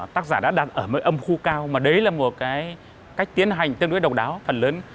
tác giả đã đặt ở mấy âm khu cao mà đấy là một cái cách tiến hành tương đối độc đáo phần lớn